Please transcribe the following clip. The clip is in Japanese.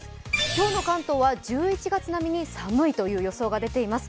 今日の関東は１１月並みに寒いという予想が出ています。